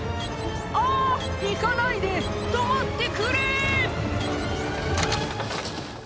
「あ行かないで止まってくれ！」